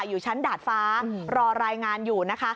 อยู่ชั้นดาดฟ้ารอรายงานอยู่นะคะ